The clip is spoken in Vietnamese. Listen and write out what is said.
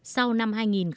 sau năm hai nghìn bốn mươi